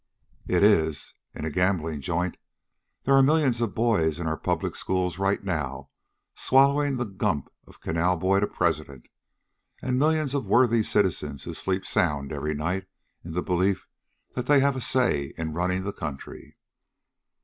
"It is in a gambling joint. There are a million boys in our public schools right now swallowing the gump of canal boy to President, and millions of worthy citizens who sleep sound every night in the belief that they have a say in running the country."